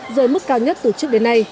rơi mức cao nhất từ trước đến nay